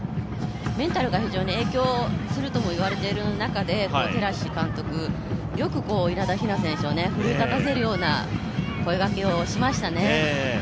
メンタルが非常に影響すると言われている中で寺師監督、よく稲田雛選手を奮い立たせるような声がけをしましたね。